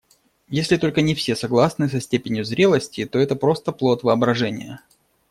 Если только не все согласны со степенью зрелости, то это просто плод воображения.